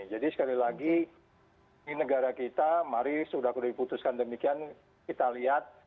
jadi sekali lagi ini negara kita mari sudah diputuskan demikian kita lihat